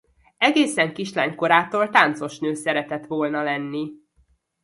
Egészen kislány korától táncosnő szeretett volna lenni.